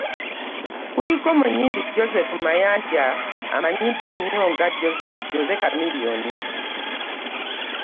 Kuliko omuyimbi Joseph Mayanja amanyiddwa ennyo nga Jose Chameleon